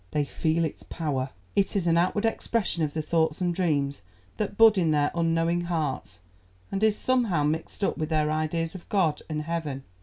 They feel its power; it is an outward expression of the thoughts and dreams that bud in their unknowing hearts, and is somehow mixed up with their ideas of God and Heaven.